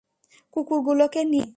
কুকুরগুলোকে নিয়ে আসছি।